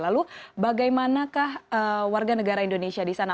lalu bagaimanakah warga negara indonesia di sana